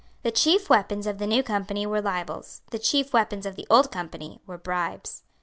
The chief weapons of the New Company were libels; the chief weapons of the Old Company were bribes.